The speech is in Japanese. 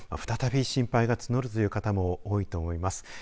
再び心配が募るという方も多いと思います。